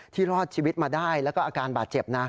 รอดชีวิตมาได้แล้วก็อาการบาดเจ็บนะ